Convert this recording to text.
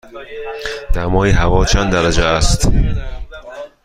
دمای هوا چند درجه است؟